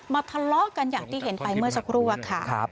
ทะเลาะกันอย่างที่เห็นไปเมื่อสักครู่อะค่ะ